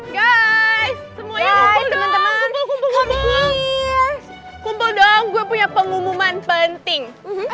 guys semuanya kumpul kumpul kumpul dong gue punya pengumuman penting